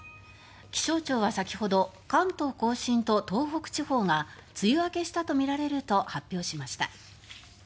気象庁は先ほど関東・甲信と東北地方が梅雨明けしたとみられると発表しました。